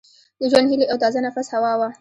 د ژوند هیلي او تازه نفس هوا وه